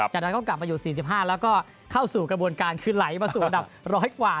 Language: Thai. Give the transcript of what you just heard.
จากนั้นก็กลับมาอยู่๔๕แล้วก็เข้าสู่กระบวนการคือไหลมาสู่อันดับร้อยกว่า